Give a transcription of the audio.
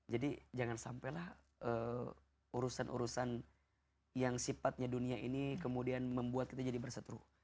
jadi jangan sampelah urusan urusan yang sifatnya dunia ini kemudian membuat kita jadi bersetruh